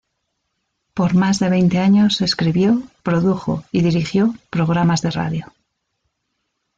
Por más de veinte años escribió, produjo y dirigió programas de radio.